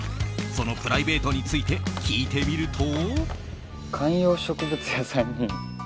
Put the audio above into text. そのプライベートについて聞いてみると。